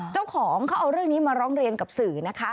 เจ้าของเขาเอาเรื่องนี้มาร้องเรียนกับสื่อนะคะ